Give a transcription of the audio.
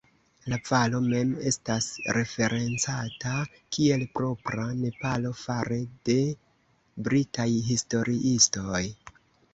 La valo mem estas referencata kiel "Propra Nepalo" fare de britaj historiistoj.